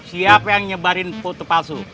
siapa yang nyebarin foto palsu